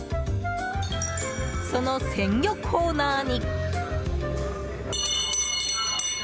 その鮮魚コーナーに。